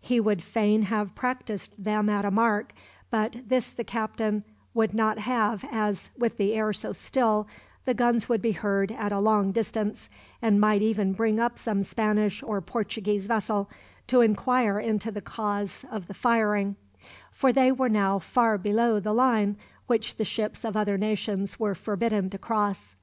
He would fain have practiced them at a mark, but this the captain would not have as, with the air so still, the guns would be heard at a long distance, and might even bring up some Spanish or Portuguese vessel, to inquire into the cause of the firing for they were now far below the line which the ships of other nations were forbidden to cross.